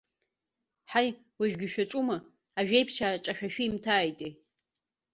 Ҳаи, уажәгьы шәаҿума, ажәеиԥшьаа ҿашәа шәимҭааитеи.